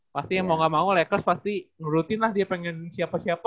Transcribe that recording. pasti mau gak mau lakers pasti nurutin lah dia pengen siapa siapa